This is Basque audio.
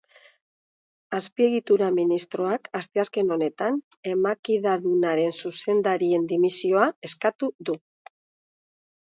Azpiegitura ministroak asteazken honetan emakidadunaren zuzendarien dimisioa eskatu du.